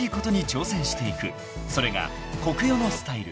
［それがコクヨのスタイル］